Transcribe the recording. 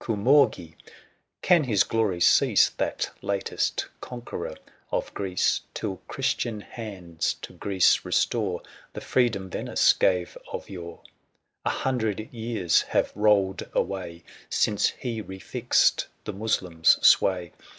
Coumourgi — can his glory cease, • ^H That latest conqueror of Greece, ' Till Christian hands to Greece restore The freedom Venice gave of yore f wmrnu 'xiT 10,5 A hundred years have rolled away < r Since he refixed the Moslem's sway